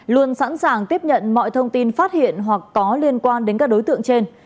luôn sẵn sàng tiếp nhận mọi thông tin phát hiện hoặc có liên quan đến các đối tượng trên